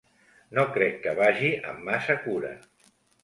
No crec que vagi amb massa cura.